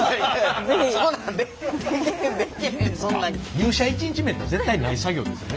入社１日目やったら絶対ない作業ですよね？